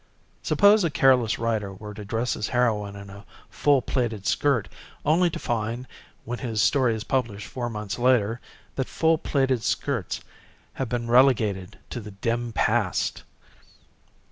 Suppose a careless writer were to dress his heroine in a full plaited skirt only to find, when his story is published four months later, that full plaited skirts have been relegated to the dim past!